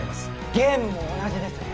ゲームも同じですね